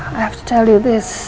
saya harus ceritakan ini